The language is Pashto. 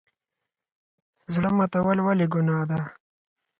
زړه ماتول ولې ګناه ده؟